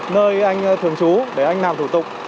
nơi anh thường trú để anh làm thủ tục